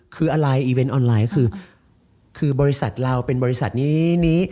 คืออะไรอีเวนต์ออนไลน์ก็คือบริษัทเราเป็นบริษัทนี้นี้